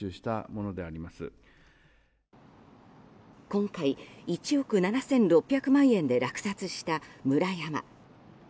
今回、１億７６００万円で落札したムラヤマ。